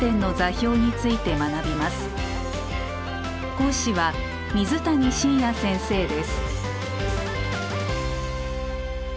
講師は水谷信也先生です。